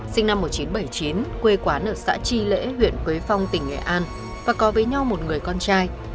sinh năm một nghìn chín trăm bảy mươi chín quê quán ở xã tri lễ huyện quế phong tỉnh nghệ an và có với nhau một người con trai